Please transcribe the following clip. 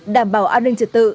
đảm bảo an ninh trật tự